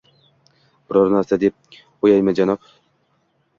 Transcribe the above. Biror narsa deb qo’yaymi, janob?